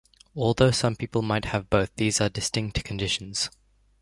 Although some people might have both, these are distinct conditions.